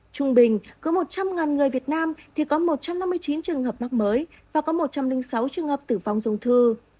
trung bình cứ một trăm linh người việt nam thì có một trăm năm mươi chín trường hợp mắc mới và có một trăm linh sáu trường hợp tử vong dùng thư